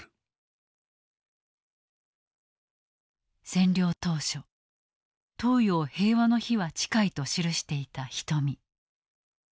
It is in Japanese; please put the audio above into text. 占領当初東洋平和の日は近いと記していた人見。